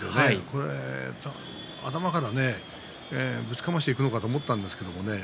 これは頭からぶちかましていくのだと思ったんですがね。